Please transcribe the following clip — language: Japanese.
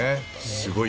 すごい。